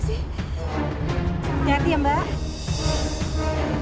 siapkan hati ya mbak